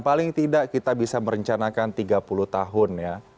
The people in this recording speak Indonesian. paling tidak kita bisa merencanakan tiga puluh tahun ya